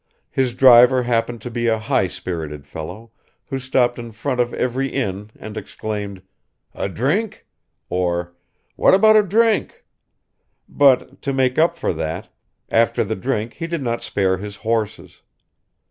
His driver happened to be a high spirited fellow, who stopped in front of every inn and exclaimed, "A drink?" or "What about a drink?" but, to make up for that, after the drink he did not spare his horses.